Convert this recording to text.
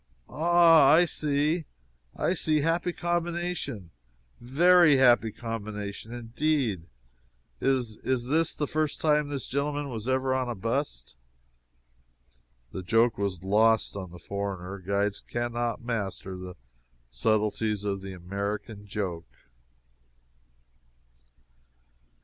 "Ah, I see, I see happy combination very happy combination, indeed. Is is this the first time this gentleman was ever on a bust?" That joke was lost on the foreigner guides can not master the subtleties of the American joke.